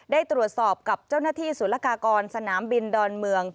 ได้ตรวจสอบกับเจ้าหน้าที่ศูนยากากรสนามบินดอนเมือง